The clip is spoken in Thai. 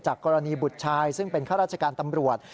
กรณีบุตรชายซึ่งเป็นข้าราชการตำรวจ